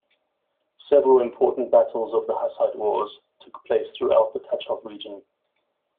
Several important battles of the Hussite Wars took place throughout the Tachov region.